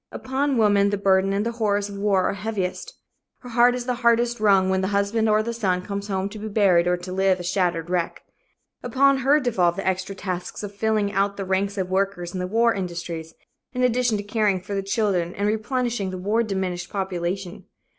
Upon woman the burden and the horrors of war are heaviest. Her heart is the hardest wrung when the husband or the son comes home to be buried or to live a shattered wreck. Upon her devolve the extra tasks of filling out the ranks of workers in the war industries, in addition to caring for the children and replenishing the war diminished population.